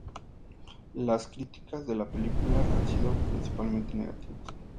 Las críticas de la película han sido principalmente negativos.